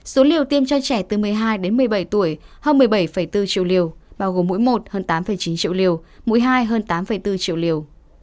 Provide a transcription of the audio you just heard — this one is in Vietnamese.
số liều tiêm cho trẻ từ một mươi hai đến một mươi bảy tuổi hơn một mươi bảy bốn triệu liều bao gồm mỗi một hơn tám chín triệu liều mũi hai hơn tám bốn triệu liều